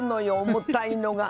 重たいのが。